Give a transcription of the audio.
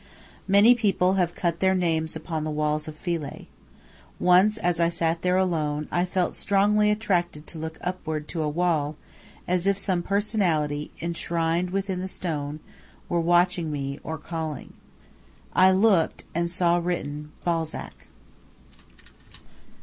Many people have cut their names upon the walls of Philae. Once, as I sat alone there, I felt strongly attracted to look upward to a wall, as if some personality, enshrined within the stone, were watching me, or calling. I looked, and saw written "Balzac."